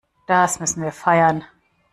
Das müssen wir feiern.